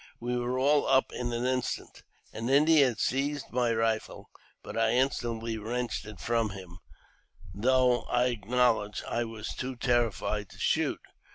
We were all up in an instant. An Indian had seized my rifle, but I instantly wrenched it from him, though, I acknowledge, I was too terrified to shoo t.